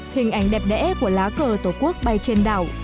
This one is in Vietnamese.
hình ảnh đẹp đẽ của lá cờ tổ quốc bay trên đảo